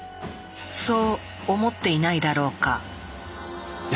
そう思っていないだろうか？